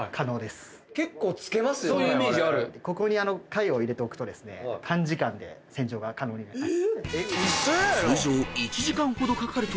ここに貝を入れておくと短時間で洗浄が可能になります。